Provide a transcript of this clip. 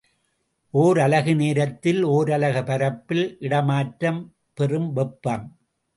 ஒரலகு நேரத்தில் ஓரலகு பரப்பில் இடமாற்றம் பெறும் வெப்பம்.